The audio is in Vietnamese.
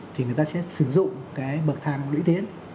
thì người ta sẽ sử dụng bậc thang lưỡi tiến